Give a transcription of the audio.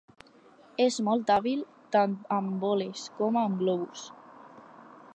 És molt hàbil tant amb volees com amb globus.